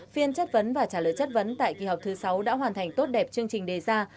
phiên chất vấn và trả lời chất vấn tại kỳ họp thứ sáu đã hoàn thành tốt đẹp chương trình đề ra